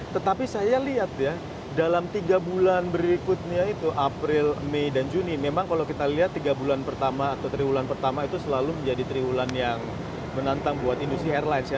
tetapi saya lihat ya dalam tiga bulan berikutnya itu april mei dan juni memang kalau kita lihat tiga bulan pertama atau triwulan pertama itu selalu menjadi triwulan yang menantang buat industri airlines ya